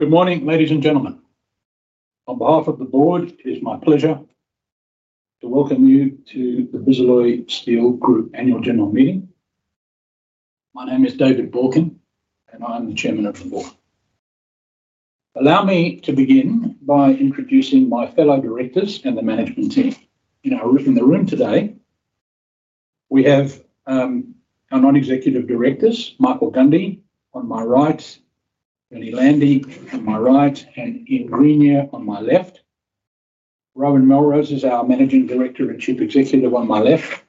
Good morning ladies and gentlemen. On behalf of the Board, it is my pleasure to welcome you to the Bisalloy Steel Group Annual General Meeting. My name is David Balkin and I'm the Chairman of the Board. Allow me to begin by introducing my fellow Directors and the management team. In the room today, we have our Non-Executive Directors, Michael Gundy on my right, Bernie Landy on my right and Ian Greenyer on my left. Rowan Melrose is our Managing Director and Chief Executive on my left.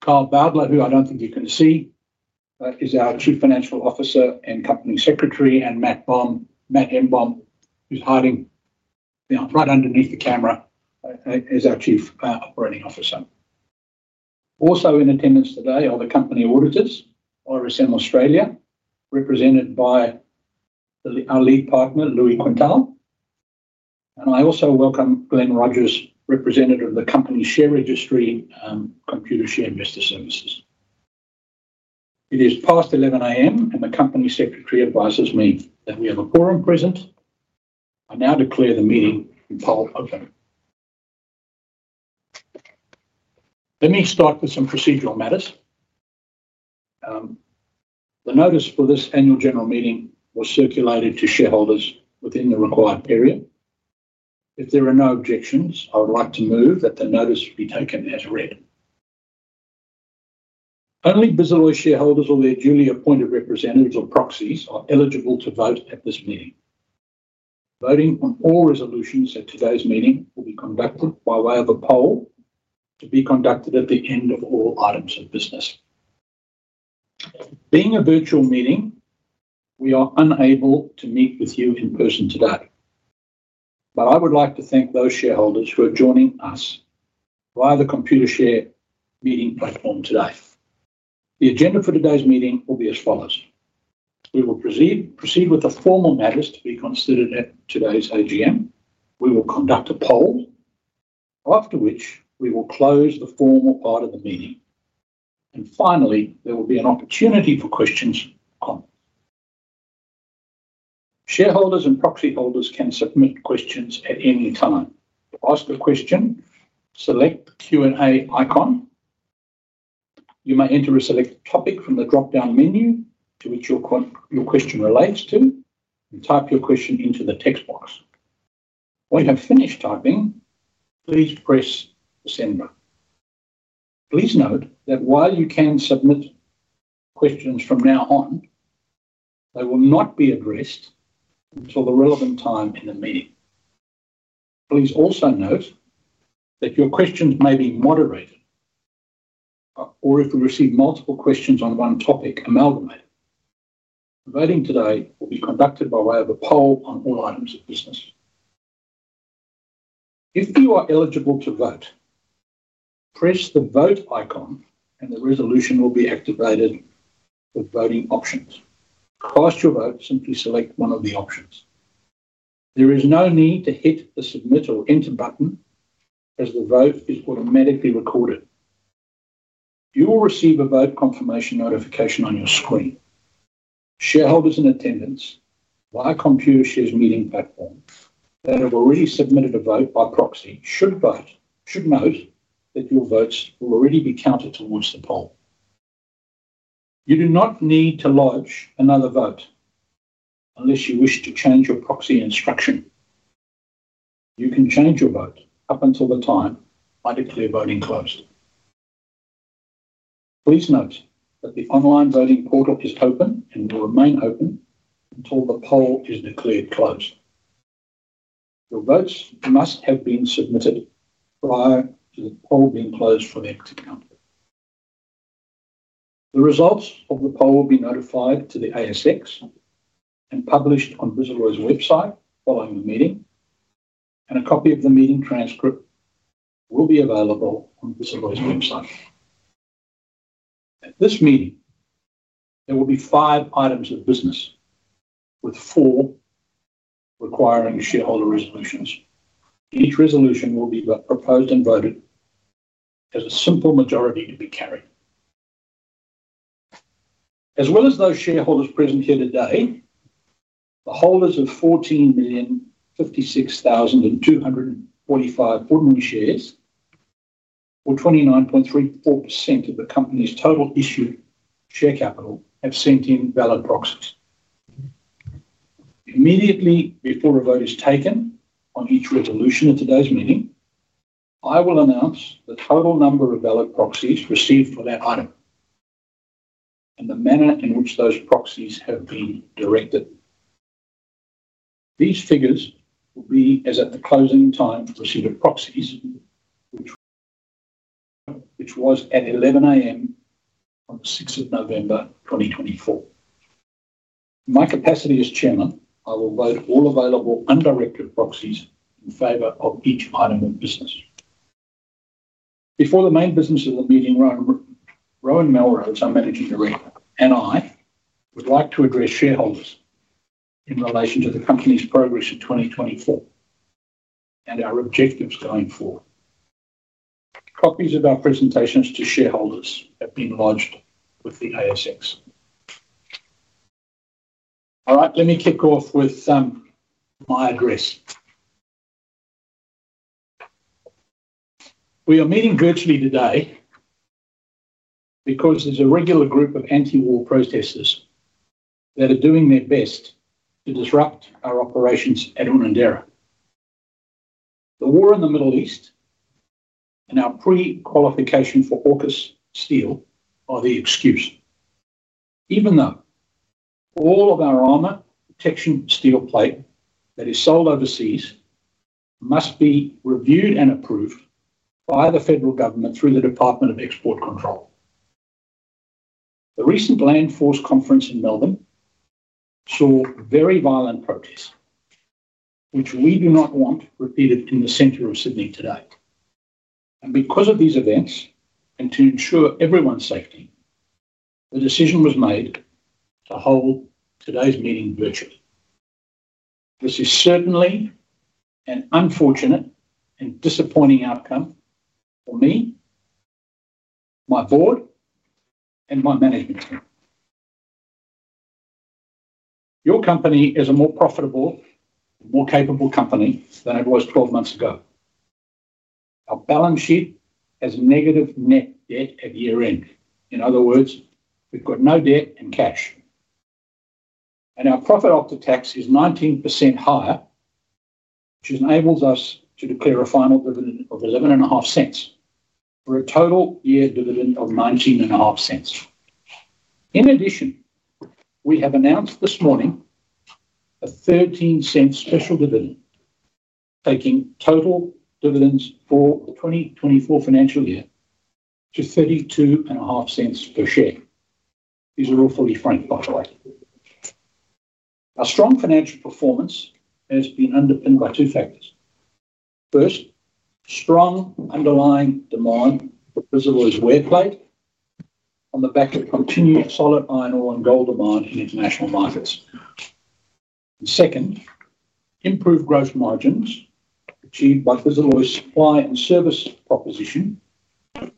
Carl Bowdler, who I don't think you can see is our Chief Financial Officer and Company Secretary and Matt Enbom is hiding right underneath the camera as our Chief Operating Officer. Also in attendance today are the company auditors, RSM Australia, represented by our lead partner Louis Quintal. I also welcome Glenn Rogers, representative of the company share registry Computershare Investor Services. It is past 11:00 A.M. and the Company Secretary advises me that we have a quorum present. I now declare the meeting open. Let me start with some procedural matters. The notice for this Annual General Meeting was circulated to shareholders within the required period. If there are no objections, I would like to move that the notice be taken as read. Only Bisalloy shareholders or their duly appointed representatives or proxies are eligible to vote at this meeting. Voting on all resolutions at today's meeting will be conducted by way of a poll to be conducted at the end of all items of business. Being a virtual meeting, we are unable to meet with you in person today, but I would like to thank those shareholders who are joining us via the Computershare meeting platform today. The agenda for today's meeting will be as follows. We will proceed with the formal matters to be considered at today's AGM. We will conduct a poll after which we will close the formal part of the meeting, and finally, there will be an opportunity for questions. Shareholders and proxy holders can submit questions at any time. To ask a question, select the Q and A icon. You may enter select a topic from the drop-down menu to which your question relates to and type your question into the text box. When you have finished typing, please press send. Please note that while you can submit questions from now on, they will not be addressed until the relevant time in the meeting. Please also note that your questions may be moderated, or if we receive multiple questions on one topic. All voting today will be conducted by way of a poll on all items of business. If you are eligible to vote, press the vote icon and the resolution will be activated with voting options. Cast your vote. Simply select one of the options. There is no need to hit the Submit or Enter button as the vote is automatically recorded. You will receive a vote confirmation notification on your screen. Shareholders in attendance via Computershare's meeting platform that have already submitted a vote by proxy should note that your votes will already be counted towards the poll. You do not need to lodge another vote unless you wish to change your proxy instruction. You can change your vote up until the time I declare voting closed. Please note that the online voting portal is open and will remain open until the poll is declared closed. Your votes must have been submitted prior to the poll being closed for them to count. The results of the poll will be notified to the ASX and published on Bisalloy's website following the meeting and a copy of the meeting transcript will be available on Bisalloy's website. At this meeting there will be five items of business with four requiring shareholder resolutions. Each resolution will be proposed and voted as a simple majority to be carried as well as those shareholders present here today. The holders of 14,056,245 ordinary shares or 29.34% of the Company's total issued share capital have sent in valid proxies. Immediately before a vote is taken on each resolution of today's meeting, I will announce the total number of ballot proxies received for that item and the manner in which those proxies have been directed. These figures will be as at the closing time receipt of proxies which was at 11:00 A.M. on the 6th of November, 2024. In my capacity as Chairman. I will vote all available undirected proxies in favour of each item of business. Before the main business of the meeting, Rowan Melrose, our Managing Director and I, would like to address shareholders in relation to the company's progress in 2024 and our objectives going forward. Copies of our presentations to shareholders have been lodged with the ASX. All right, let me kick off with my address. We are meeting virtually today because there's a regular group of anti-war protesters that are doing their best to disrupt our operations at Unanderra. The war in the Middle East and our pre-qualification for AUKUS steel are the excuse. Even though, all of our armor protection steel plate that is sold overseas must be reviewed and approved by the Federal Government through the Defence Export Controls. The recent Land Force conference in Melbourne saw very violent protests which we do not want repeated in the center of Sydney today. And because of these events and to ensure everyone's safety, the decision was made to hold today's meeting virtually. This is certainly an unfortunate and disappointing outcome for me, my Board and my management team. Your company is a more profitable, a more capable company than it was 12 months ago. Our balance sheet has negative net debt at year end. In other words, we've got no debt and cash and our profit after tax is 19% higher, which enables us to declare a final dividend of 0.115 for a total year dividend of 0.195. In addition, we have announced this morning a 0.13 special dividend. Taking total dividends for the 2024 financial year to 0.325 per share. These are all fully franked, by the way. Our strong financial performance has been underpinned by two factors. First, strong underlying demand for Bisalloy's wear plate on the back of continued solid iron ore and gold demand in international markets. Second, improved gross margins achieved by Bisalloy's supply and service proposition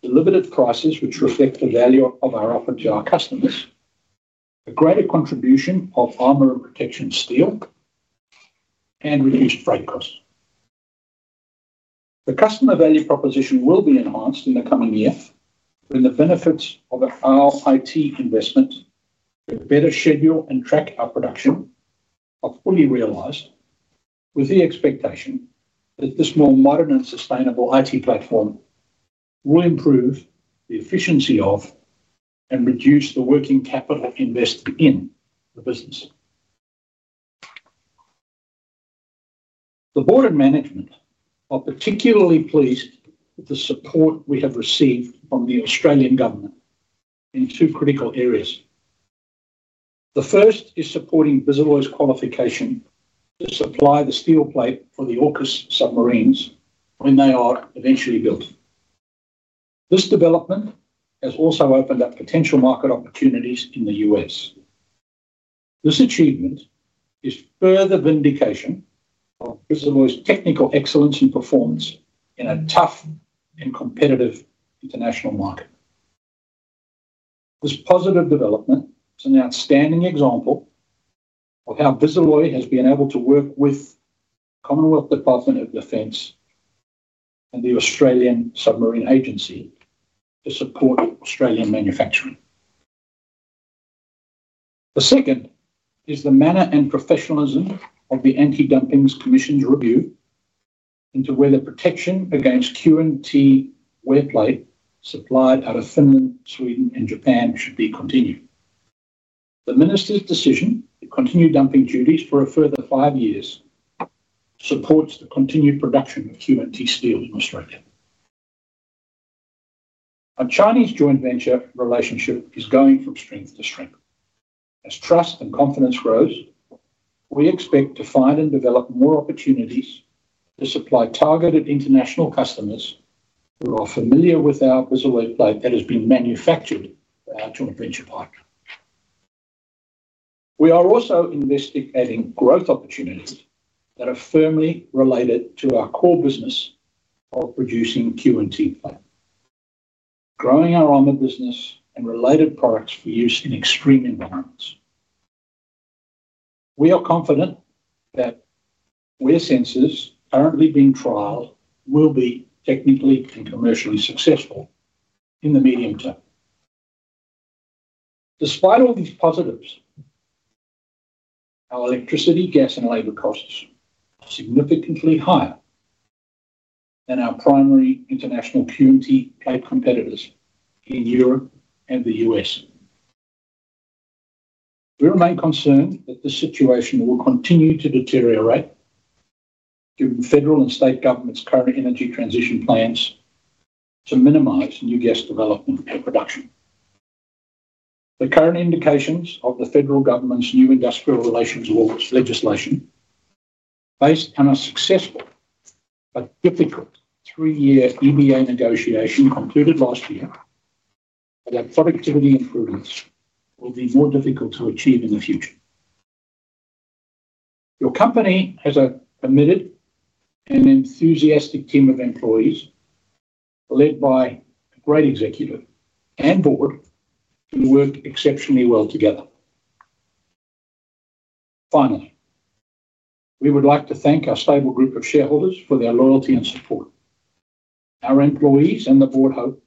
delivered at prices which reflect the value of our offer to our customers. A greater contribution of armor protection steel and reduced freight costs. The customer value proposition will be enhanced in the coming year when the benefits of our IT investment better schedule and track our production are fully realized. With the expectation that this more modern and sustainable IT platform will improve the efficiency of and reduce the working capital invested in the business. The Board and management are particularly pleased with the support we have received from the Australian Government in two critical areas. The first is supporting Bisalloy's qualification to supply the steel plate for the AUKUS submarines when they are eventually built. This development has also opened up potential market opportunities in the U.S. This achievement is further vindication of Bisalloy's technical excellence and performance in a tough and competitive international market. This positive development is an outstanding example of how Bisalloy has been able to work with Commonwealth Department of Defence and the Australian Submarine Agency to support Australian manufacturing. The second is the manner and professionalism of the Anti-Dumping Commission's review into whether protection against Q&T wear plate supplied out of Finland, Sweden, and Japan should be continued. The Minister's decision to continue dumping duties for a further five years supports the continued production of Q&T steel in Australia. Our Chinese joint venture relationship is going from strength to strength. As trust and confidence grows, we expect to find and develop more opportunities to supply targeted international customers who are familiar with our Bisalloy plate that has been manufactured by our joint venture plant. We are also investigating growth opportunities that are firmly related to our core business of producing Q&T plate, growing our armour business and related products for use in extreme environments. We are confident that wear sensors currently being trialed will be technically and commercially successful in the medium term. Despite all these positives, our electricity, gas and labor costs are significantly higher than our primary international community plate competitors in Europe and the U.S. We remain concerned that the situation will continue to deteriorate due to federal and state governments' current energy transition plans to minimize new gas development and production. The current indications of the Federal Government's new industrial relations legislation based on a successful but difficult three-year EBA negotiation concluded last year that productivity improvements will be more difficult to achieve in the future. Your company has a committed and enthusiastic team of employees led by a great Executive and Board who work exceptionally well together. Finally, we would like to thank our stable group of shareholders for their loyalty and support. Our employees and the Board hope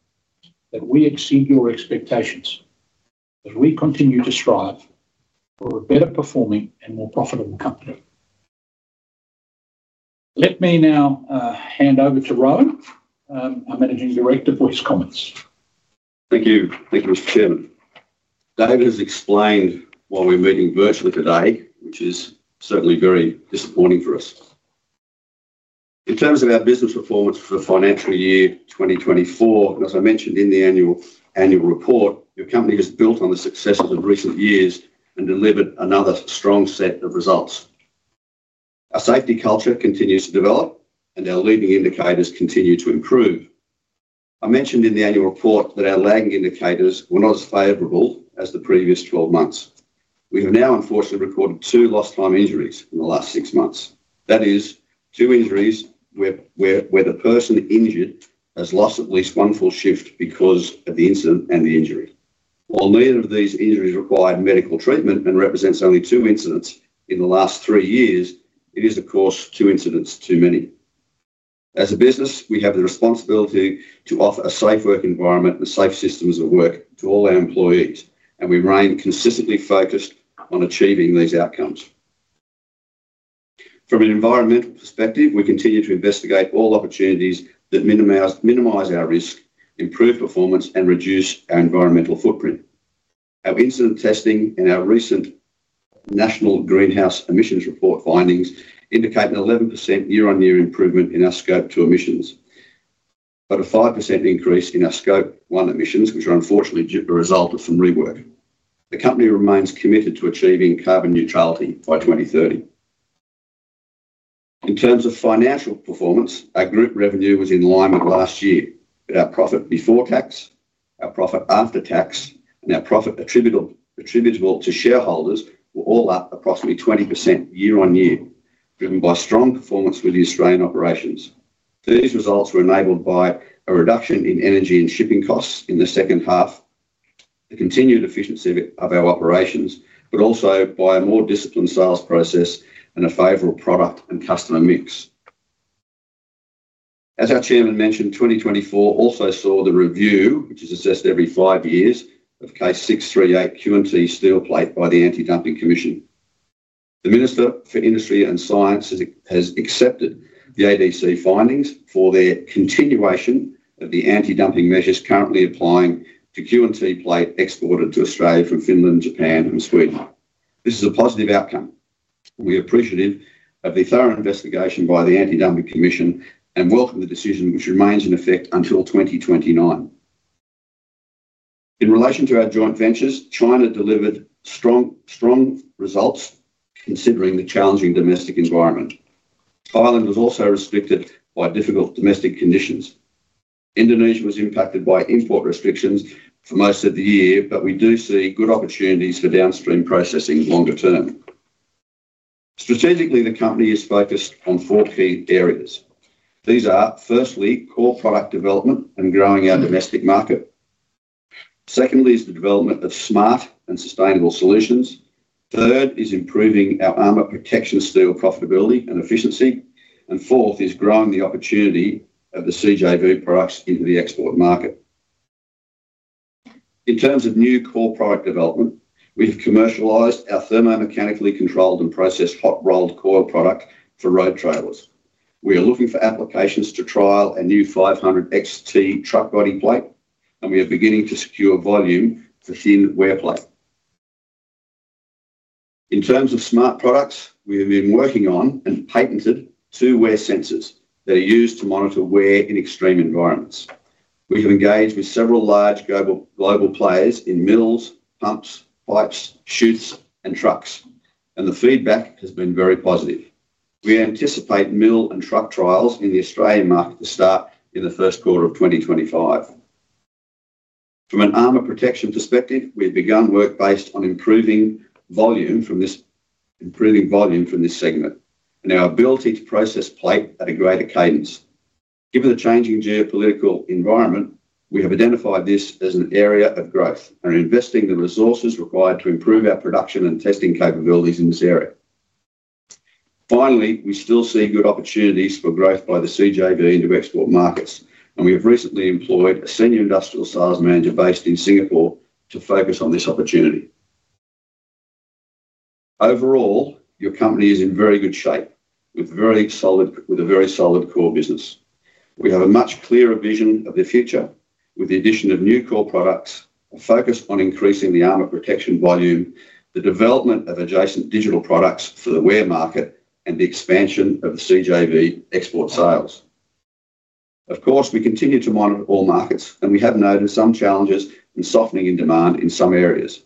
that we exceed your expectations as we continue to strive for a better performing and more profitable company. Let me now hand over to Rowan, our Managing Director, for his comments. Thank you. Thank you, Mr. Chairman. David has explained why we're meeting virtually today, which is certainly very disappointing for us. In terms of our business performance for the financial year 2024, as I mentioned in the Annual Report, your company has built on the successes of recent years and delivered another strong set of results. Our safety culture continues to develop and our leading indicators continue to improve. I mentioned in the Annual Report that our lagging indicators were not as favourable as the previous 12 months. We have now unfortunately recorded two lost time injuries in the last six months. That is two injuries where the person injured has lost at least one full shift because of the incident and the injury. While neither of these injuries required medical treatment and represents only two incidents in the last three years, it is of course two incidents too many. As a business, we have the responsibility to offer a safe work environment and safe systems of work to all our employees and we remain consistently focused on achieving these outcomes from an environmental perspective. We continue to investigate all opportunities that minimize our risk, improve performance and reduce our environmental footprint. Our incident testing and our recent National Greenhouse Emissions Report findings indicate an 11% year-on-year improvement in our Scope 2 emissions, but a 5% increase in our Scope 1 emissions, which are unfortunately a result of some rework. The company remains committed to achieving carbon neutrality by 2030. In terms of financial performance, our group revenue was in line with last year. Our profit before tax, our profit after tax and our profit attributable to shareholders were all up approximately 20% year-on-year, driven by strong performance with the Australian operations. These results were enabled by a reduction in energy and shipping costs in the second half, the continued efficiency of our operations but also by a more disciplined sales process and a favorable product and customer mix. As our Chairman mentioned, 2024 also saw the review, which is assessed every five years, of Case 638 Q&T Steel Plate by the Anti-Dumping Commission. The Minister for Industry and Science has accepted the ADC findings for their continuation of the anti-dumping measures currently applying to Q&T plate exported to Australia from Finland, Japan and Sweden. This is a positive outcome. We are appreciative of the thorough investigation by the Anti-Dumping Commission and welcome the decision, which remains in effect until 2029. In relation to our joint ventures, China delivered strong results considering the challenging domestic environment. Thailand was also restricted by difficult domestic conditions. Indonesia was impacted by import restrictions for most of the year, but we do see good opportunities for downstream processing longer term. Strategically, the company is focused on four key areas. These are firstly, core product development and growing our domestic market. Secondly is the development of smart and sustainable solutions. Third is improving our armor protection steel profitability and efficiency and fourth is growing the opportunity of the CJV products into the export market. In terms of new core product development, we have commercialized our thermo mechanically controlled and processed hot rolled coil product for road trailers. We are looking for applications to trial a new 500XT truck body plate and we are beginning to secure volume for thin wear plate. In terms of smart products, we have been working on and patented two wear sensors that are used to monitor wear in extreme environments. We have engaged with several large global players in mills, pumps, pipes, chutes and trucks, and the feedback has been very positive. We anticipate mill and truck trials in the Australian market to start in the first quarter of 2025. From an armor protection perspective, we've begun work based on improving volume from this, improving volume from this segment and our ability to process plate at a greater cadence. Given the changing geopolitical environment, we have identified this as an area of growth, are investing the resources required to improve our production and testing capabilities in this area. Finally, we still see good opportunities for growth by the CJV into export markets and we have recently employed a senior industrial sales manager based in Singapore to focus on this opportunity. Overall, your company is in very good shape with a very solid core business. We have a much clearer vision of the future with the addition of new core products, a focus on increasing the armor protection volume, the development of adjacent digital products for the wear market and the expansion of the CJV export sales. Of course we continue to monitor all markets and we have noticed some challenges and softening in demand in some areas.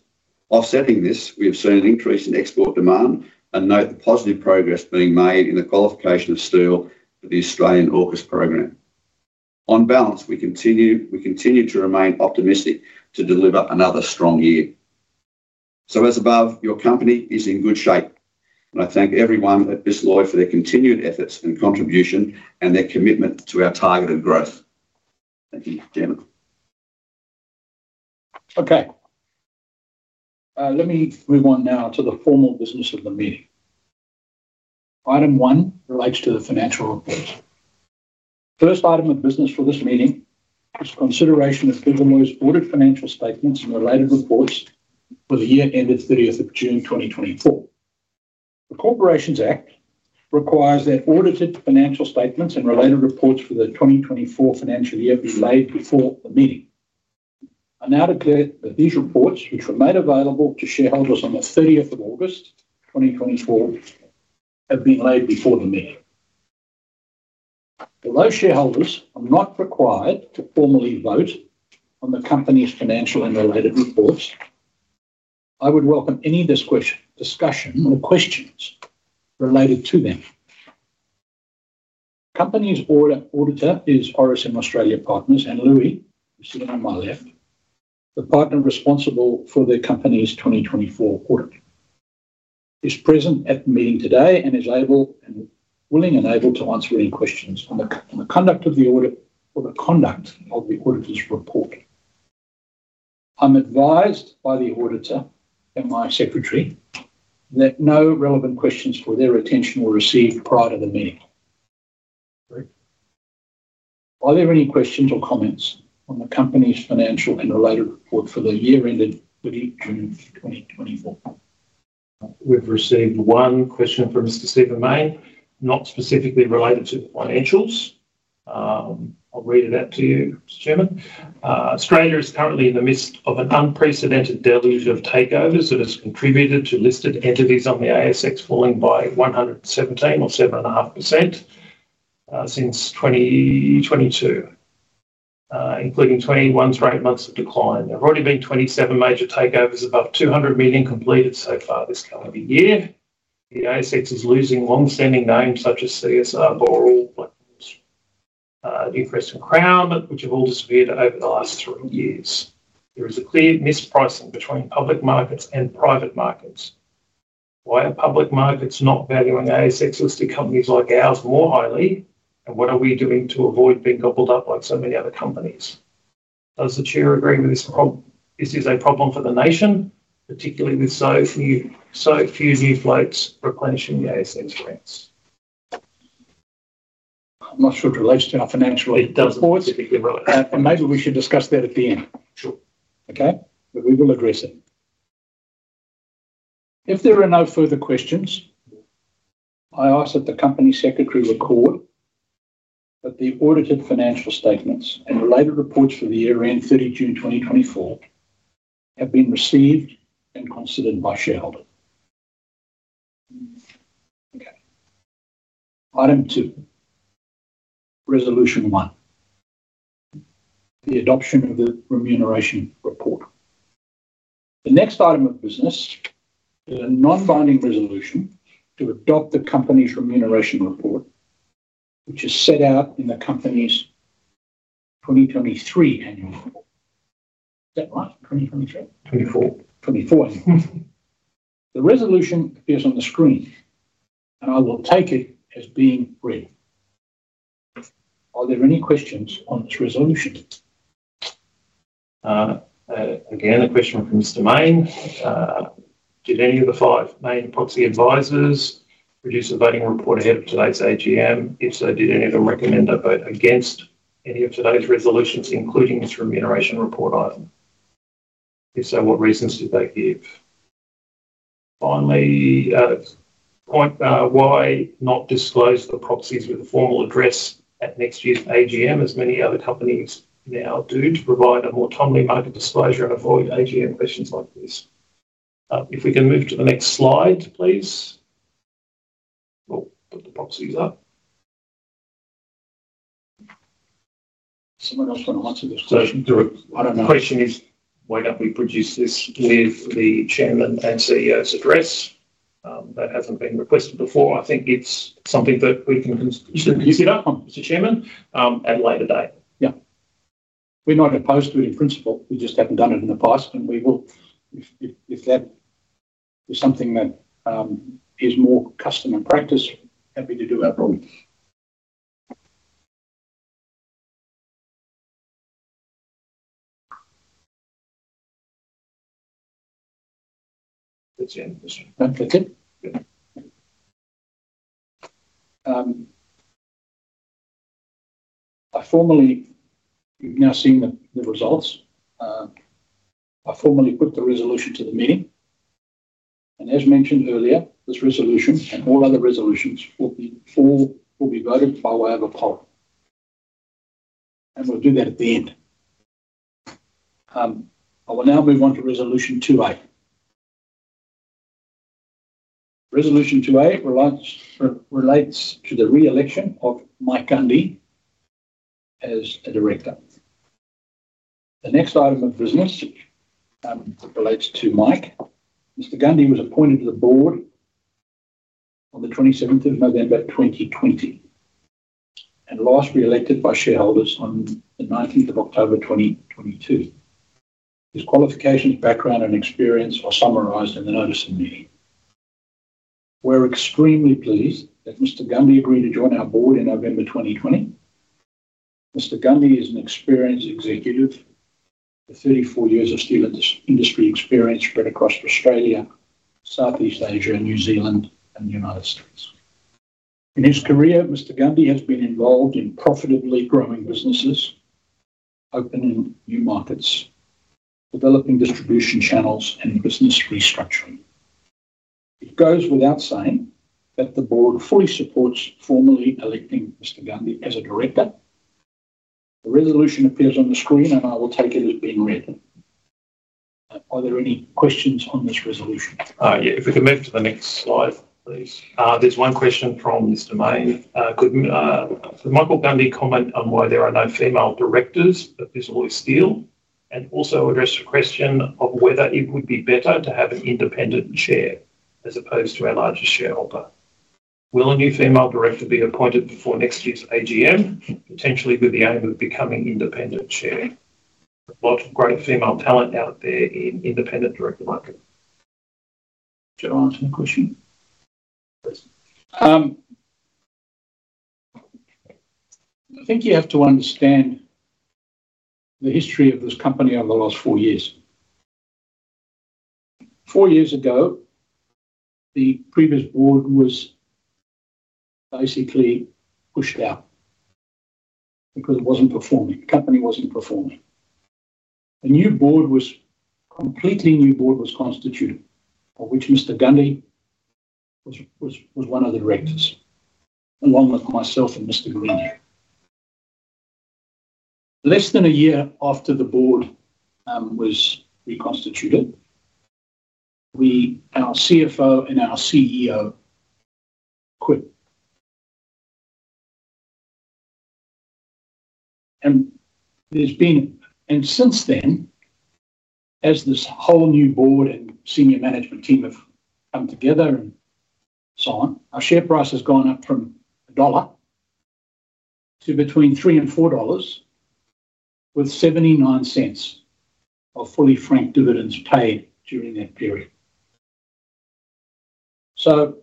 Offsetting this, we have seen an increase in export demand and note the positive progress being made in the qualification of steel for the Australian AUKUS program. On balance, we continue to remain optimistic to deliver another strong year. So, as above, your company is in good shape and I thank everyone at Bisalloy for their continued efforts and contribution and their commitment to our targeted growth. Thank you, Chairman. Okay, let me move on now to the formal business of the meeting. Item one relates to the financial report. First item of business for this meeting is consideration's of Bisalloy's audited financial statements and related reports for the year ended 30th of June 2024. The Corporations Act requires that audited financial statements and related reports for the 2024 financial year be laid before the meeting. I now declare that these reports, which were made available to shareholders on 30th of August 2024, have been laid before the meeting. Although shareholders are not required to formally vote on the company's financial and related reports, I would welcome any discussion or questions related to them. Company's auditor is RSM Australia Partners, and Louis, you see him on my left. The partner responsible for the company's 2024 audit is present at the meeting today and is able and willing to answer any questions on the conduct of the audit or the conduct of the auditor's report. I'm advised by the auditor and my secretary that no relevant questions for their attention were received prior to the meeting. Are there any questions or comments on the company's financial and related report for the year ended 30 June 2024? We've received one question from Mr. Stephen Mayne not specifically related to the financials. I'll read it out to you, Mr. Chairman. Australia is currently in the midst of an unprecedented deluge of takeovers that has contributed to listed entities on the ASX falling by 117 or 7.5% since 2022, including 21 straight months of decline. Tthere have already been 27 major takeovers above $200 million completed so far this calendar year. The ASX is losing long-standing names such as CSR, Boral, Blackmores, Newcrest and Crown which have all disappeared over the last three years. There is a clear mispricing between public markets and private markets. Why are public markets not valuing ASX listed companies like ours more highly? And what are we doing to avoid being gobbled up like so many other companies? Does the Chair agree with this problem? This is a problem for the nation, particularly with so few new floats replenishing the ASX ranks. I'm not sure if it relates to our financial reports and maybe we should discuss that at the end. Okay, but we will address it. If there are no further questions, I ask that the Company Secretary record that the audited financial statements and related reports for the year end 30 June 2024 have been received and considered by shareholder. Item 2, Resolution 1, the Adoption of the Remuneration Report. The next item of business is a non-binding resolution to adopt the company's remuneration report which is set out in the company's 2023 Annual Report. Is that right? 2023? 2024. The resolution appears on the screen and I will take it as being read. Are there any questions on its resolution? Again, a question from Mr. Mayne. Did any of the five main proxy advisors produce a voting report ahead of today's AGM? If so, did any of them recommend a vote against any of today's resolutions including this remuneration report item? If so, what reasons did they give? Finally, a good point. Why not disclose the proxies with a formal address at next year's AGM as many other companies now do to provide a more timely market disclosure and avoid AGM questions like this. If we can move to the next slide, please put the proxies up. Someone else want to answer this question? The question is why don't we produce this with the Chairman and CEO's address that hasn't been requested before? I think it's something that we can consider, Mr. Chairman, at a later date. Yeah, we're not opposed to it in principle. We just haven't done it in the past and we will if that is something that is more custom and practice. Happy to do our part. Now that you've now seen the results, I formally put the resolution to the meeting and as mentioned earlier this resolution and all other resolutions will be voted by way of a poll and we'll do that at the end. I will now move on to Resolution 2A. Resolution 2A relates to the Re-election of Mike Gundy as a Director. The next item of business relates to Mike. Mr. Gundy was appointed to the Board on 27th of November 2020 and last re-elected by shareholders on the 19th of October 2022. His qualifications, background and experience are summarised in the notice of meeting. We're extremely pleased that Mr. Gundy agreed to join our Board in November 2020. Mr. Gundy is an experienced executive with 34 years of steel industry experience spread across Australia, Southeast Asia, New Zealand and the United States. In his career, Mr. Gundy has been involved in profitably growing businesses, opening new markets, developing distribution channels and business restructuring. It goes without saying that the Board fully supports formally electing Mr. Gundy as a Director. The resolution appears on the screen and I will take it as being ready. Are there any questions on this resolution? If we can move to the next slide please. There's one question from Mr. Mayne. Michael Gundy comment on why there are no female directors of this Bisalloy Steel and also address the question of whether it would be better to have an Independent Chair as opposed to our largest shareholder. Will a new female Director be appointed before next year's AGM? Potentially with the aim of becoming Independent Chair. Lots of great female talent out there in independent director market. Shall I answer the question? I think you have to understand the history of this company over the last four years. Four years ago, the previous Board was basically pushed out because it wasn't performing. Company wasn't performing. A new Board was constituted for which Mr. Gundy was one of the directors along with myself and Mr. Greenyer. Less than a year after the Board was reconstituted, our CFO and our CEO quit. Since then, as this whole new Board and senior management team have come together and so on. Our share price has gone up from AUD 1 to between 3-4 dollars with 0.79 of fully franked dividends paid to during that period. So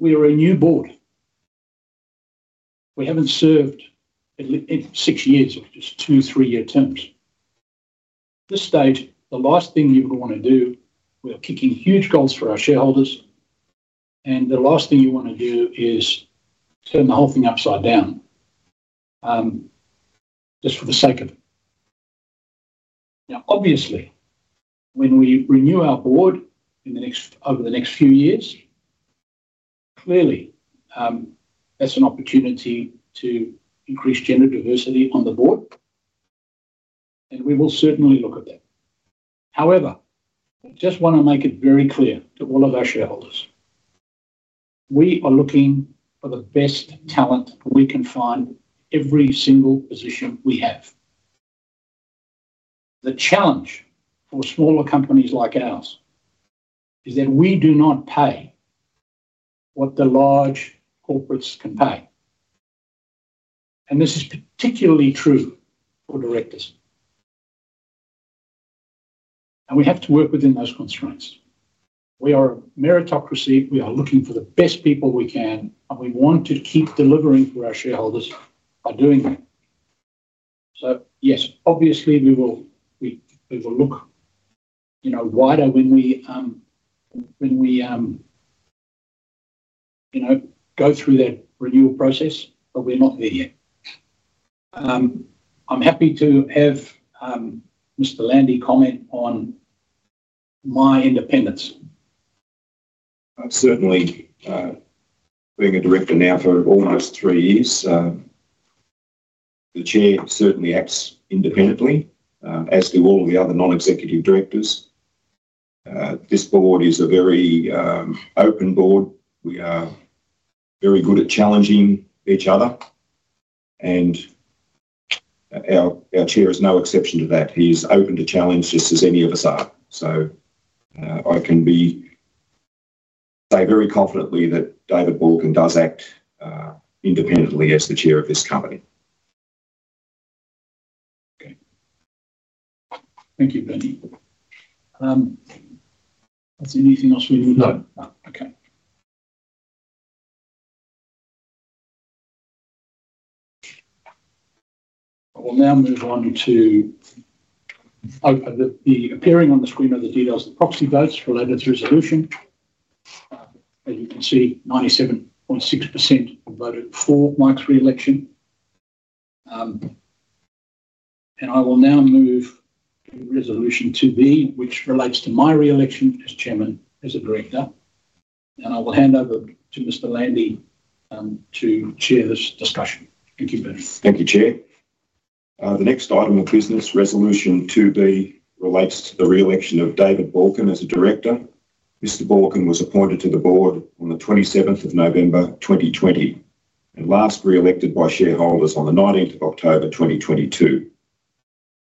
we are a new Board. We haven't served in six years or just two-year, three-year terms at this stage; the last thing you would want to do. We are kicking huge goals for our shareholders, and the last thing you want to do is turn the whole thing upside down just for the sake of it. Now obviously when we renew our Board over the next few years, clearly that's an opportunity to increase gender diversity on the Board, and we will certainly look at that. However, we just want to make it very clear to all of our shareholders, we are looking for the best talent we can find, every single position we have. The challenge for smaller companies like ours is that we do not pay what the large corporates can pay. This is particularly true for Directors, and we have to work within those constraints. We are meritocracy, we are looking for the best people we can and we want to keep delivering for our shareholders by doing that. So yes, obviously we will, we will look, you know, wider when we, when we, you know, go through that renewal process, but we're not there yet. I'm happy to have Mr. Landy comment on my independence. I'm certainly being a director now for almost three years. The Chair certainly acts independently, as do all the other Non-Executive Directors. This Board is a very open Board. We are very good at challenging each other and our Chair is no exception to that. He's open to challenge just as any of us are. So I can say very confidently that David Balkin does act independently as the Chair of this company. Okay, thank you, Bernie. Is there anything else we need though? Okay. I will now move on to appearing on the screen of the details of proxy votes related to resolution. As you can see, 97.6% voted for Mike's re-election. And I will now move to resolution 2B which relates to my re-election as Chairman as a Director. And I will hand over to Mr. Landy to Chair this discussion. Thank you, Bernie. Thank you, Chair. The next item of business Resolution 2B relates to the Re-election of David Balkin as a Director. Mr. Balkin was appointed to the Board on 27th of November 2020 and last re-elected by shareholders on 19 October 2022.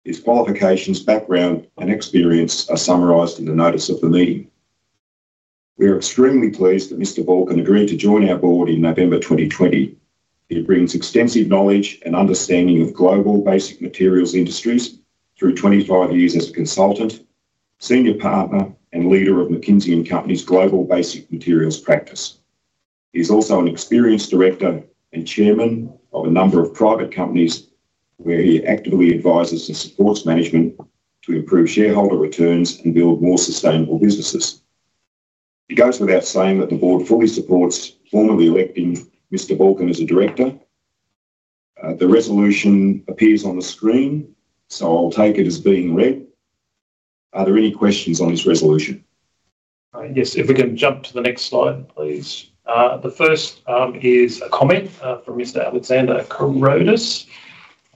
His qualifications, background and experience are summarised in the notice of the meeting. We are extremely pleased that Mr. Balkin agreed to join our Board in November 2020. He brings extensive knowledge and understanding of global basic materials industries through 25 years as a Consultant, Senior Partner and leader of McKinsey & Company's global basic materials practice. He's also an experienced Director and Chairman of a number of private companies where he actively advises and supports management to improve shareholder returns and build more sustainable businesses. It goes without saying that the Board fully supports formally electing Mr. Balkin as a Director. The resolution appears on the screen so I'll take it as being read. Are there any questions on this resolution? Yes, if we can jump to the next slide, please. The first is a comment from Mr. Alexander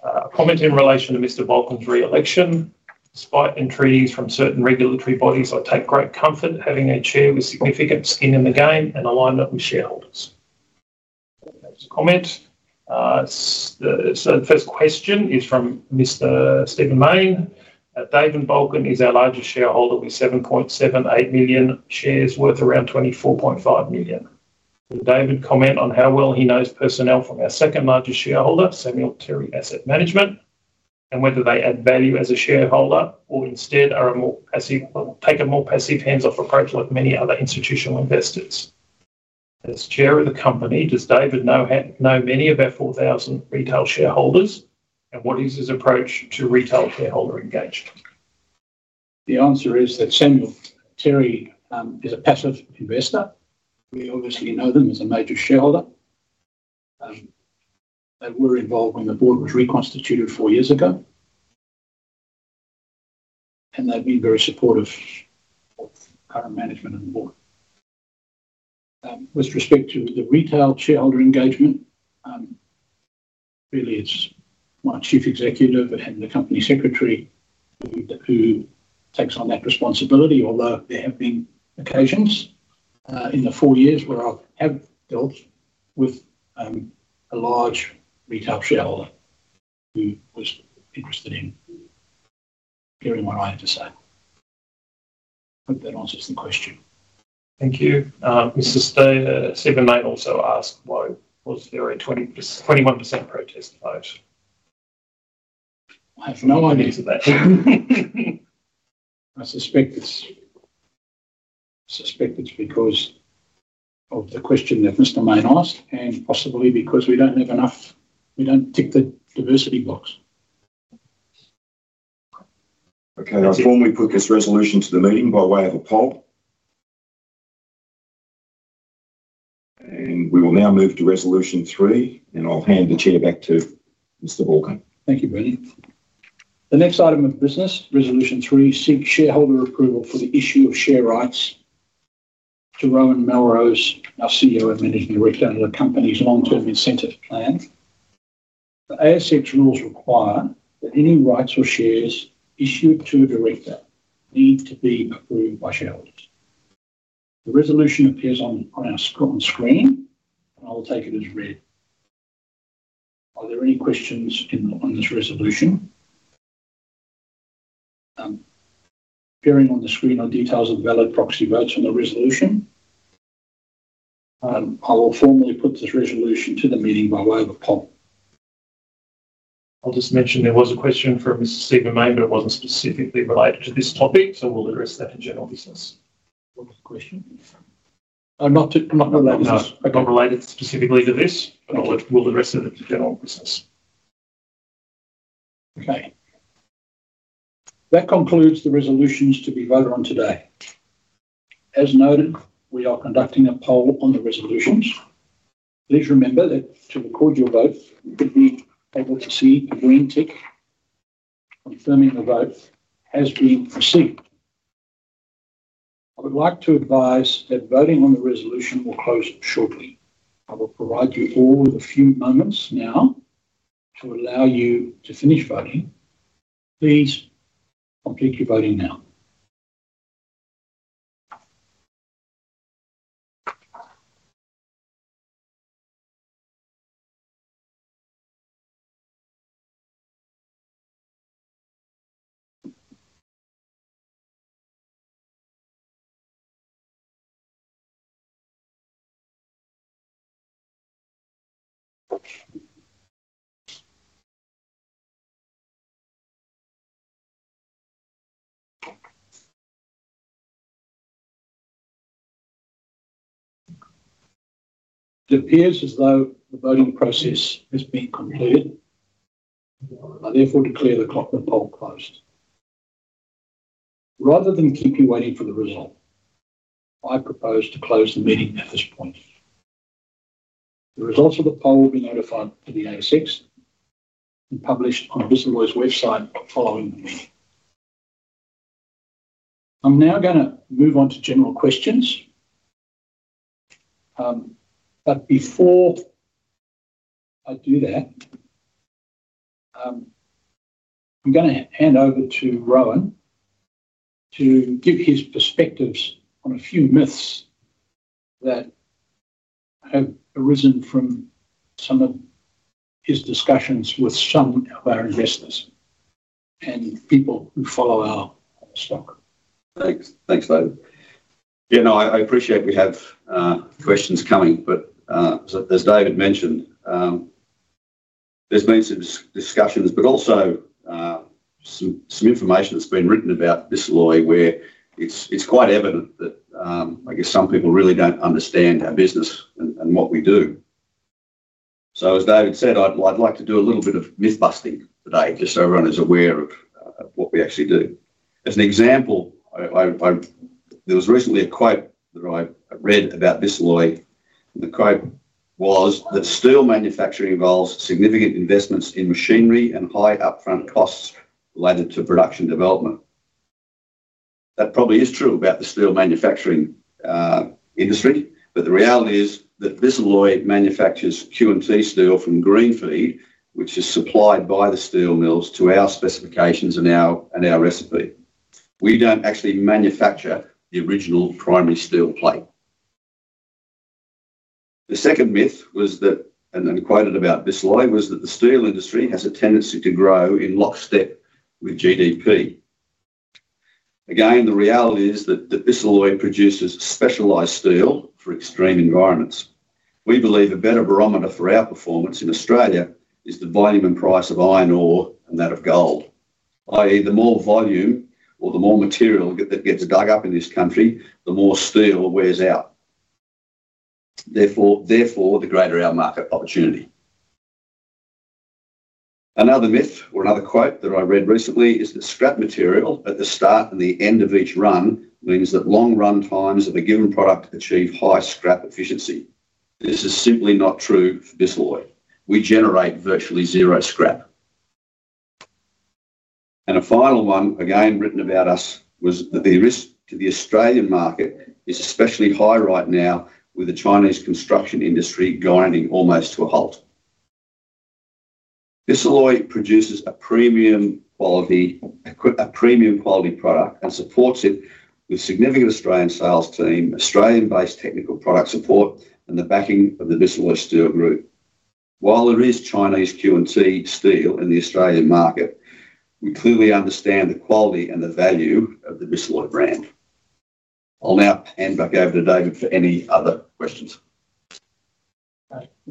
Carrodus. Comment in relation to Mr. Balkin's re-election. Despite entreaties from certain regulatory bodies, I take great comfort having a Chair with significant skin in the game and alignment with shareholders. Comment. So the first question is from Mr. Stephen Mayne. David Balkin is our largest shareholder with 7.78 million shares worth around 24.5 million. Did David comment on how well he knows personnel from our second largest shareholder, Samuel Terry Asset Management and whether they add value as a shareholder or instead take a more passive hands-off approach like many other institutional investors as Chair of the company? Does David know many of our 4,000 retail shareholders and what is his approach to retail shareholder engagement? The answer is that Samuel Terry is a passive investor. We obviously know them as a major shareholder. They were involved when the Board was reconstituted four years ago and they've been very supportive of current management and Board with respect to the retail shareholder engagement. Really it's my Chief Executive and the Company Secretary who takes on that responsibility. Although there have been occasions in the four years where I have dealt with a large retail shareholder who was interested in hearing what I had to say. Hope that answers the question. Thank you, Mr. Stephen. May also ask why was there a 21% protest vote? I have no idea to that. I suspect it's because of the question that Mr. Mayne asked and possibly because we don't have enough, we don't tick the diversity box. Okay. I formally put this resolution to the meeting by way of a poll. And we will now move to Resolution 3. And I'll hand the Chair back to Mr. Balkin. Thank you, Bernie. The next item of business, Resolution 3, seek shareholder Approval for the issue of Share Rights to Rowan Melrose, our CEO and Managing Director, of the company's long-term incentive plan. The ASX rules require that any rights or shares issued to a Director need to be approved by shareholders. The resolution appears on our screen and I will take it as read. Are there any questions on this resolution? Appearing on the screen are details of the valid proxy votes on the resolution. I will formally put this resolution to the meeting by way of poll. I'll just mention there was a question from Mr. Stephen Mayne, but it wasn't specifically related to this topic. So we'll address that in general business. Okay, that concludes the resolutions to be voted on today. As noted, we are conducting a poll on the resolutions. Please remember that to record your vote you'd be able to see the green tick confirming the votes has been received. I would like to advise that voting on the resolution will close shortly. I will provide you all with a few moments now to allow you to finish voting. Please complete your voting now. It appears as though the voting process has been completed. I therefore declare the poll closed. Rather than keep you waiting for the result, I propose to close the meeting at this point. The results of the poll will be notified by the ASX and published on the company's website. Following the meeting, I'm now going to move on to general questions. But before I do that, I'm going to hand over to Rowan to give his perspectives on a few myths that have arisen from some of his discussions with some of our investors and people who follow our stock. Thanks. Thanks David. Yeah, no, I appreciate we have questions coming but as David mentioned there's been some discussions but also some information that's been written about this lately where it's quite evident that I guess some people really don't understand our business and what we do. So as David said, I'd like to do a little bit of myth busting today just so everyone is aware of what we actually do. As an example, there was recently a quote that I read about this lately. The quote was that steel manufacturing involves significant investments in machinery and high upfront costs related to production development. That probably is true about the steel manufacturing industry but the reality is that Bisalloy manufactures Q&T steel from greenfeed which is supplied by the steel mills to our specifications and our recipe. We don't actually manufacture the original primary steel plate. The second myth was that and quoted about Bisalloy was that the steel industry has a tendency to grow in lockstep with GDP. Again the reality is that Bisalloy produces specialized steel for extreme environments. We believe a better barometer for our performance in Australia is the volume and price of iron ore and that of gold. That is the more volume or the more material that gets dug up in this country the more steel wears out. Therefore the greater our market opportunity. Another myth or another quote that I read recently is that scrap material at the start and the end of each run means that long run times of a given product achieve high scrap efficiency. This is simply not true for Bisalloy. We generate virtually zero scrap. And a final one again written about us was that the risk to the Australian market is especially high right now with the Chinese construction industry grinding almost to a halt. Bisalloy produces a premium quality product and supports it with significant Australian sales team, Australian based technical product support and the backing of the Bisalloy Steel Group. While there is Chinese Q&T steel in the Australian market, we clearly understand the quality and the value of the Bisalloy brand. I'll now hand back over to David for any other questions.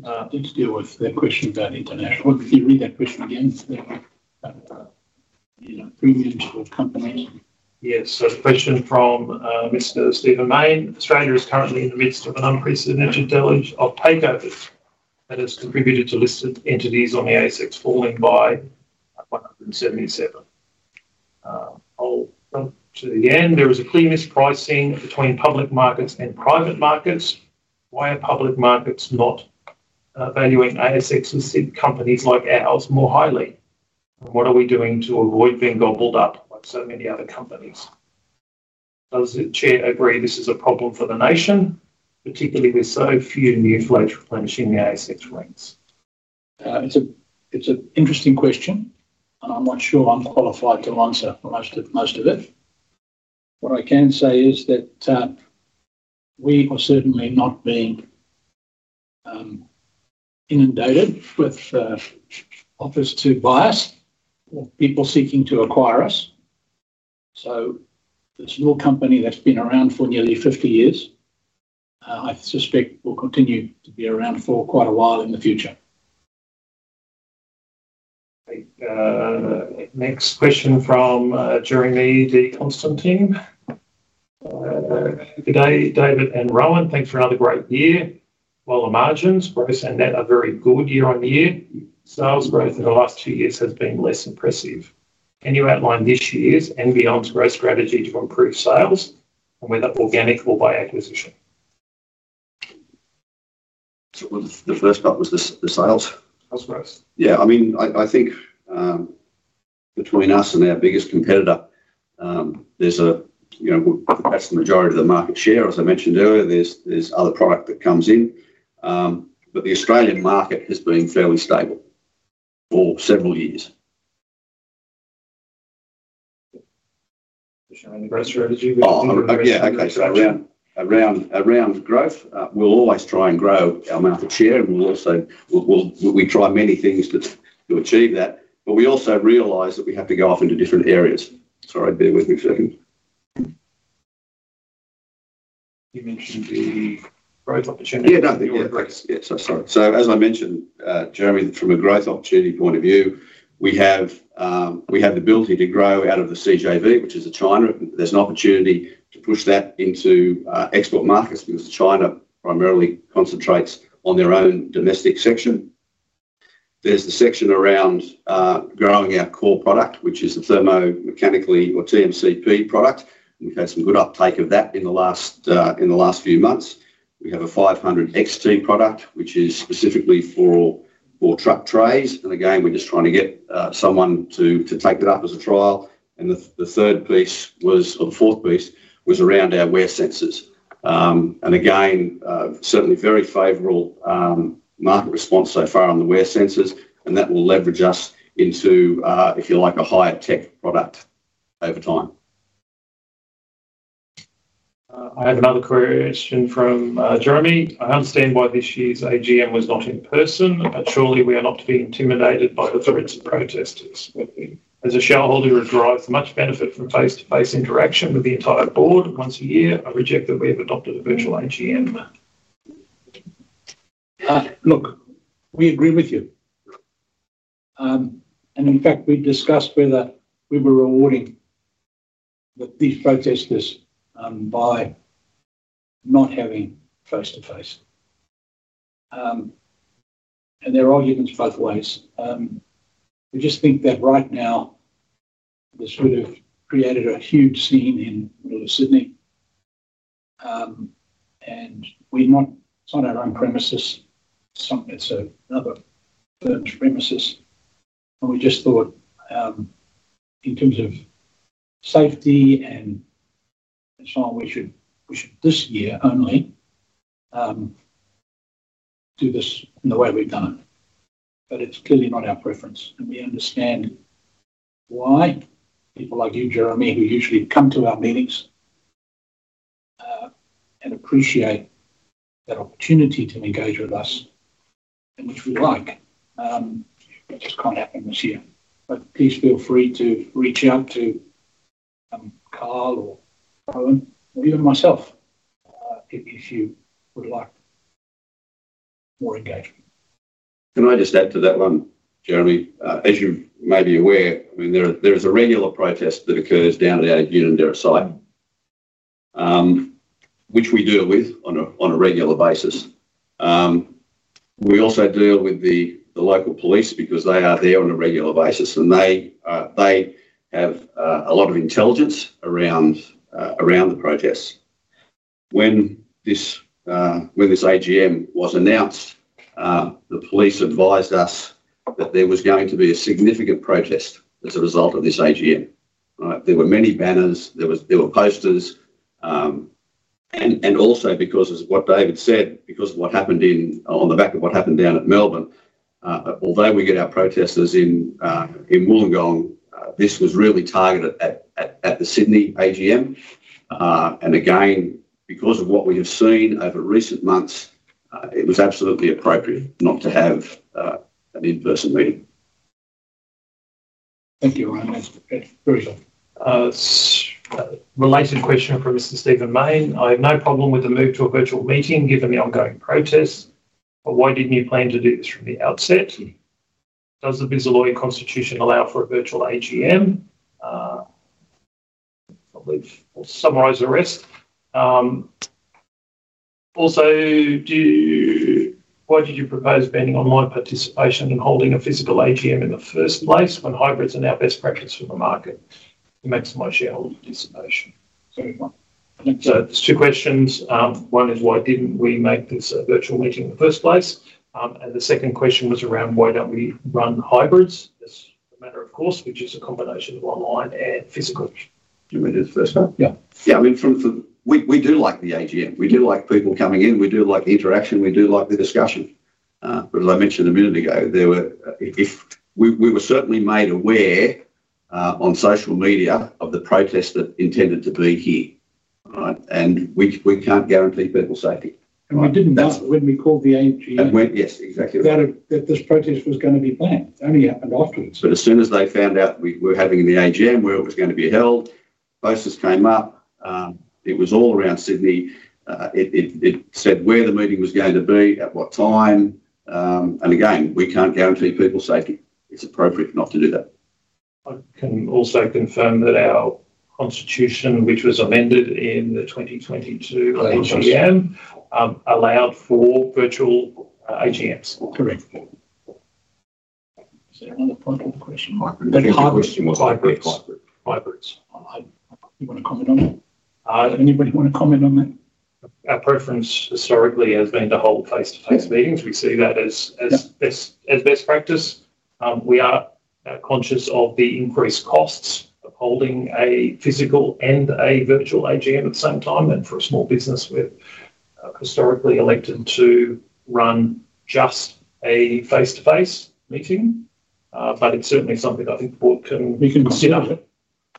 To deal with the question about international. If you read that question again. Yes, a question from Mr. Stephen Mayne. Australia is currently in the midst of an unprecedented deluge of takeovers that has contributed to listed entities on the ASX falling by 177. I'll come to the end. There is a clear mispricing between public markets and private markets. Why are public markets not valuing ASX's companies like ours more highly? What are we doing to avoid being gobbled up like so many other companies? Does the Chair agree this is a problem for the nation, particularly with so few new floats replenishing the ASX ranks? It's an interesting question. I'm not sure I'm qualified to answer most of it. What I can say is that we are certainly not being inundated with offers to buy us or people seeking to acquire us. So this new company that's been around for nearly 50 years I suspect will continue to be around for quite a while in the future. Next question from Jeremy de Constantin. Good day, David and Rowan, thanks for another great year. While the margins gross and net are very good year-on-year, sales growth in the last two years has been less impressive. Can you outline this year's and beyond's growth strategy to improve sales and whether organic or by acquisition? The first part was the sales growth. Yeah, I mean, I think between us and our biggest competitor there's a, you know, that's the majority of the market share as I mentioned earlier. There's other product that comes in, but the Australian market has been fairly stable for several years. Around growth. We'll always try and grow our market share, and we'll also, we try many things that to achieve that, but we also realize that we have to go off into different areas. Sorry, bear with me a second. You mentioned the growth opportunity. Yeah, sorry. So as I mentioned Jeremy, from a growth opportunity point of view, we have the ability to grow out of the CJV which is in China. There's an opportunity to push that into export markets because China primarily currently concentrates on their own domestic section. There's the section around growing our core product which is the thermo mechanically or TMCP product. We've had some good uptake of that in the last few months. We have a 500XT product which is specifically for truck trays and again we're just trying to get someone to take that up as a trial. And the third piece was or the fourth piece, was around our wear sensors and again certainly very favorable market response so far on the wear sensors and that will leverage us into, if you like, a higher tech product over time. I have another question from Jeremy. I understand why this year's AGM was not in person, but surely we are not to be intimidated by the threats of protesters. As a shareholder, it drives much benefit from face-to-face interaction with the entire Board once a year. I regret that we have adopted a virtual AGM. Look, we agree with you, and in fact we discussed whether we were rewarding these protesters by not having face-to-face, and there are arguments both ways. We just think that right now this would have created a huge scene in Sydney, and we're not; it's not our own premises, it's another firm's premises. We just thought in terms of safety and so on. We should, this year only, do this in the way we've done it, but it's clearly not our preference. And we understand why people like you, Jeremy, who usually come to our meetings and appreciate that opportunity to engage with us, which we like; it just can't happen this year. Please feel free to reach out to Carl or Owen or even myself to discuss issues you'd like more engagement. Can I just add to that one, Jeremy? As you may be aware, I mean there is a regular protest that occurs down at our Unanderra site. Which we deal with on a regular basis. We also deal with the local police because they are there on a regular basis and they have a lot of intelligence around the protests. When this AGM was announced, the police advised us that there was going to be a significant protest as a result of this AGM. There were many banners, there were posters. Also because of what David said, because of what happened in, on the back of what happened down at Melbourne, although we get our protesters in Wollongong, this was really targeted at the Sydney AGM. Again, because of what we have seen over recent months, it was absolutely appropriate not to have an in person meeting. Thank you, Rowan. Related question from Mr. Stephen Mayne. I have no problem with the move to a virtual meeting given the ongoing protests. Why didn't you plan to do this from the outset? Does the Bisalloy constitution allow for a virtual AGM? I believe we'll summarize the rest. Also, why did you propose banning online participation and holding a physical AGM in the first place when hybrids are now best practice for the market to maximize shareholder participation? So, there's two questions. One is why didn't we make this a virtual meeting in the first place? And the second question was around, why don't we run hybrids as a matter of course, which is a combination of online and physical. Do you mean to first start? Yeah, yeah. I mean we do like the AGM, we do like people coming in, we do like the interaction, we do like the discussion. But as I mentioned a minute ago, there were, if we were certainly made aware on social media of the protests that intended to be here and which we can't guarantee people's safety And we didn't know when we called the AGM. Yes, exactly. That this protest was going to be planned. It only happened afterwards. But as soon as they found out we were having the AGM where it was going to be held, basis came up. It was all around Sydney. It said where the meeting was going to be at what time. And again we can't guarantee people's safety. It's appropriate not to do that. I can also confirm that our constitution, which was amended in 2022, allowed for virtual AGMs. Correct. Is there another point of the question? You want to comment on that? Anybody want to comment on that? Our preference historically has been to hold face-to-face meetings. We see that as best practice. We are conscious of the increased costs of holding a physical and a virtual AGM at the same time. And for a small business, we have historically elected to run just a face-to-face meeting. But it's certainly something I think the Board can consider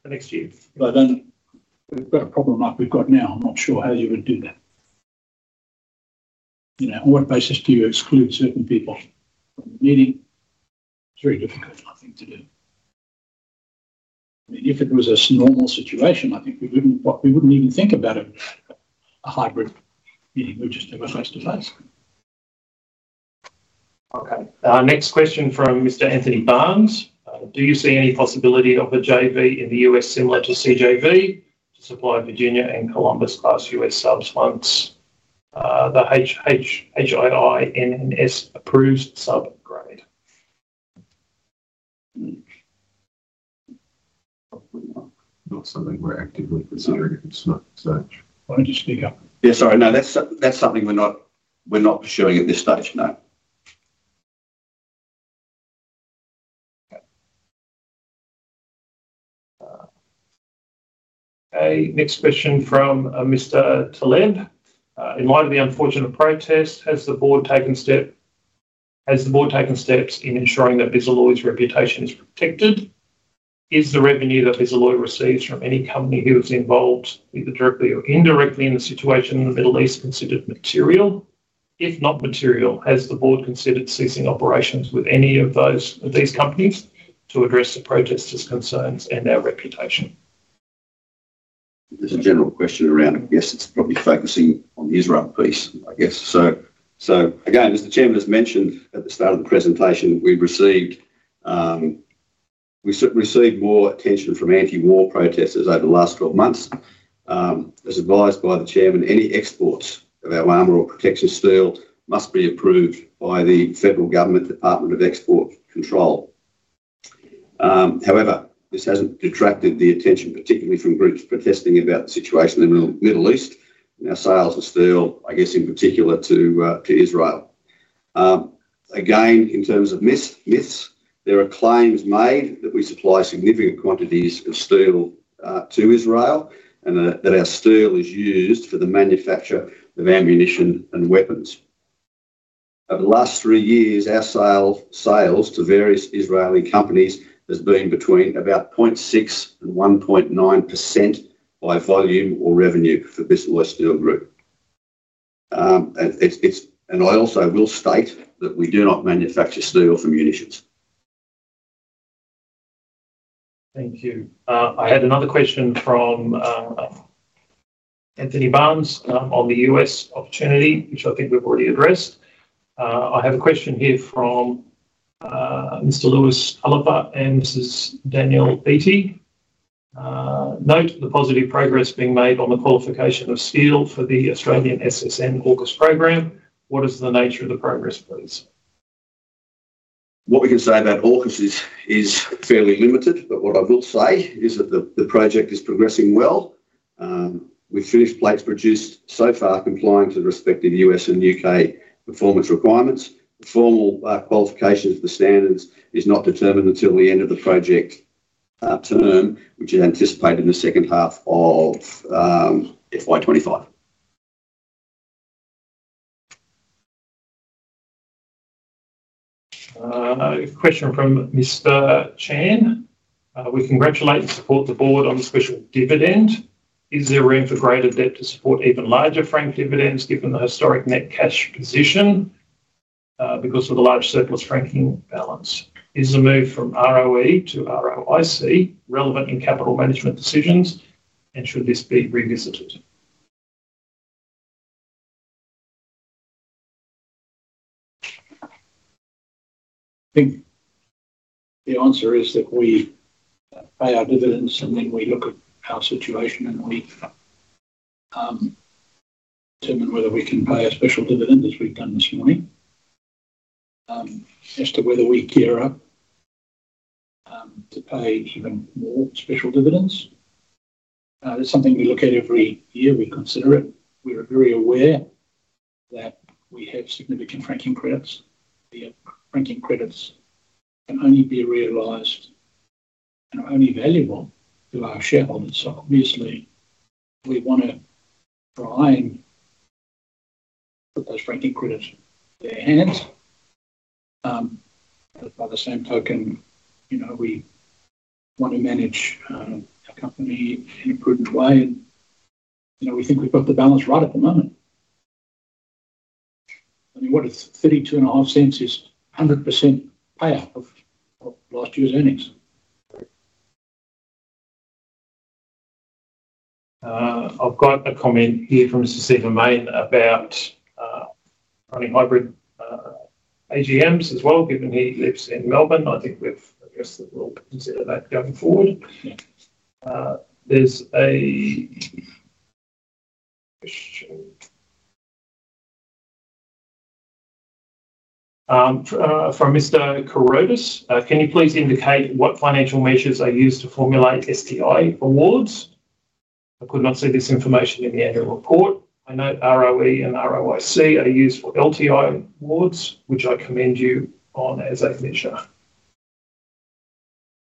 the next year. We've got a problem like we've got now. I'm not sure how you would do that. You know. On what basis do you exclude certain people from the meeting? It's very difficult. Nothing to do. If it was a normal situation, I think we wouldn't even think about it. A hybrid meeting. We just face-to-face. Okay, our next question from Mr. Anthony Barnes. Do you see any possibility of a JV in the U.S. similar to CJV to supply Virginia-class and Columbia-class U.S. subs once. The HII NNS approves sub grade? Not something we're actively considering. Why don't you speak up? Yeah, sorry. No, that's something we're not pursuing at this stage. No. Okay, next question from Mr. Taleb. In light of the unfortunate protest, has the Board taken steps in ensuring that Bisalloy's reputation is protected? Is the revenue that Bisalloy receives from any company who is involved either directly or indirectly in the situation in the Middle East considered material? If not material, has the Board considered ceasing operations with any of those companies to address the protesters' concerns and our reputation? There's a general question around. I guess it's probably focusing on the Israel piece. I guess so. Again, as the Chairman has mentioned at the start of the presentation, we received more attention from anti-war protesters over the last 12 months. As advised by the Chairman. Any exports of our armor or protection steel must be approved by the Federal Government Defence Export Controls. However, this hasn't deterred the attention particularly from groups protesting about the situation in the Middle East in our sales of steel, I guess in particular to Israel. Again, in terms of myths, there are claims made that we supply significant quantities of steel to Israel and that our steel is used for the manufacture of ammunition and weapons. Over the last three years our sales to various Israeli companies has been between about 0.6%-1.9% by volume or revenue for Bisalloy Steel Group, and I also will state that we do not manufacture steel for munitions. Thank you. I had another question from Anthony Barnes on the U.S. Opportunity which I think we've already addressed. I have a question here from Mr. Lewis and Mrs. Danielle Beattie. Note the positive progress being made on the qualification of steel for the Australian SSN-AUKUS program. What is the nature of the progress, please? What we can say about AUKUS is fairly limited, but what I will say is that the project is progressing well with finished plates produced so far complying to the respective U.S. and U.K. performance requirements. The formal qualifications of the standards is not determined until the end of the project term which is anticipated in the second half of FY 2025. Question from Mr. Chan. We congratulate and support the Board on special dividend. Is there room for greater debt to support even larger franked dividends? Given the historic net cash position because of the large surplus franking balance, is a move from ROE to ROIC relevant in capital management decisions and should this be revisited? I think the answer is that we pay our dividends and then we look at our situation and we determine whether we can pay a special dividend as we've done this morning. As to whether we gear up, to pay even more special dividends. It's something we look at every year. We consider it. We are very aware that we have significant franking credits. The franking credits can only be realized and are only valuable to our shareholders. So obviously we want to try and put those franking credits their hands. By the same token, you know, we want to manage our company in a prudent way and you know, we think we've got the balance right at the moment. I mean, what is 0.325 is 100% payout of last year's earnings? I've got a comment here from Mr. Stephen Mayne about running hybrid AGMs as well, given he lives in Melbourne. I think we've considered that going forward. There's a question. From Mr. Carrodus. Can you please indicate what financial measures are used to formulate STI awards? I could not see this information in the Annual Report. I note ROE and ROIC are used for LTI awards, which I commend you on as a measure.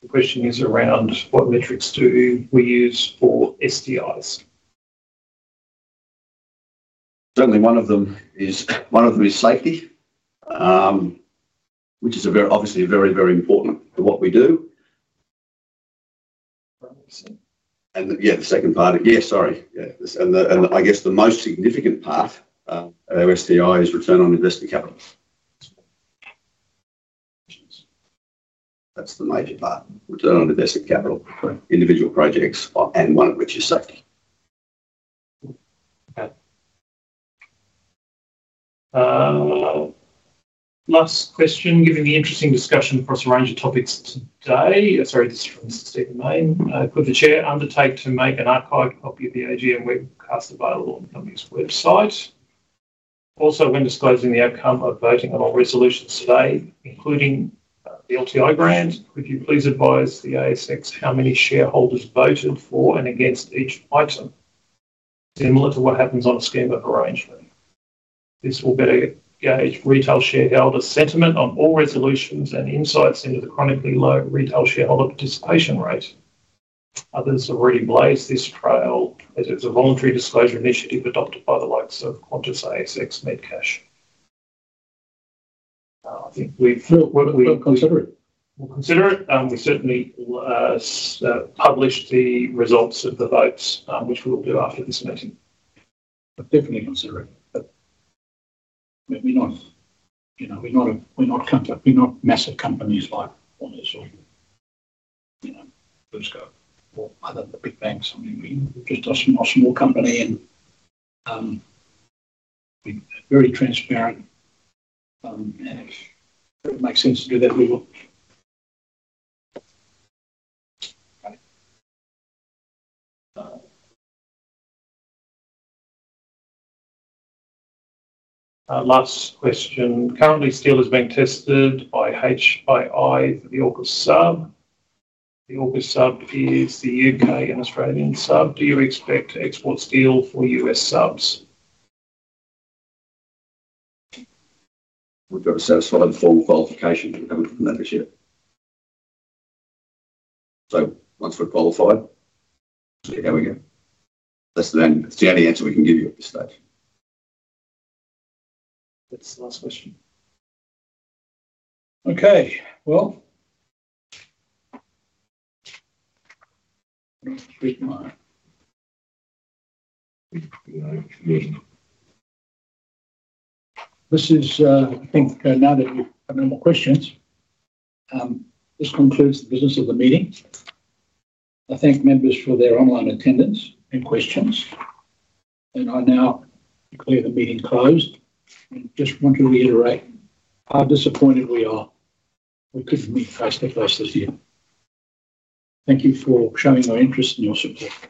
The question is around what metrics do we use for STIs? Certainly, one of them is safety, which is obviously very, very important to what we do. I guess the most significant part of STI is Return on Invested Capital. That's the major part. Return on Invested Capital, individual projects and one of which is safety. Last question. Given the interesting discussion across a range of topics today. Sorry, this is from Stephen Mayne. Could the Chair undertake to make an archive copy of the AGM webcast available on the company's website? Also, when disclosing the outcome of voting on all resolutions today, including the LTI grant, could you please advise the ASX how many shareholders voted for and against each item? Similar to what happens on a scheme of arrangement, this will better gauge retail shareholders' sentiment on all resolutions and insights into the chronically low retail shareholder participation rate. Others already blazed this trail as it was a voluntary disclosure initiative adopted by the likes of Qantas, ASX, Metcash. I think we've considered. We'll consider it. We certainly publish the results of the votes, which we will do after this meeting. Definitely consider it. But we're not, you know. We're not massive companies like, you know, Qantas or other big banks. I mean, just a small company and very transparent. And if it makes sense to do that, we will. Last question. Currently steel is being tested by HII for the AUKUS sub. The AUKUS sub is the U.K. and Australian sub. Do you expect export steel for U.S. subs? We've got to satisfy the formal qualifications. We haven't done that as yet. So once we're qualified, see how we go. That's the only answer we can give you at this stage. That's the last question. Okay. Well. This is, I think, now that we've got no more questions, this concludes the business of the meeting. I thank members for their online attendance and questions and I now declare the meeting closed and just want to reiterate how disappointed we are we couldn't meet face-to-face this year. Thank you for showing our interest and your support.